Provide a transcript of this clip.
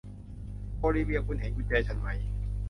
โอลิเวียคุณเห็นกุญแจฉันไหม